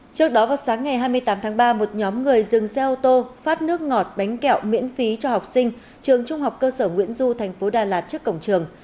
trước đó vào sáng ngày hai mươi tám tháng ba một nhóm người dừng xe ô tô phát nước ngọt bánh kẹo miễn phí cho học sinh trường trung học cơ sở nguyễn du tp đà lạt trước cổng trường